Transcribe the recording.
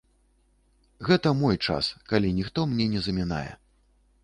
Гэта мой час, калі ніхто мне не замінае.